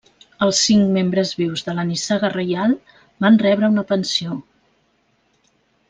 Els cinc membres vius de la nissaga reial van rebre una pensió.